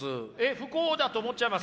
不幸だと思っちゃいます？